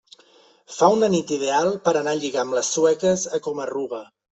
Fa una nit ideal per anar a lligar amb les sueques a Coma-ruga.